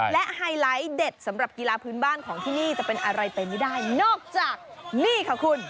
และไฮไลท์เด็ดสำหรับกีฬาพื้นบ้านของที่นี่จะเป็นอะไรไปไม่ได้นอกจากนี่ค่ะคุณ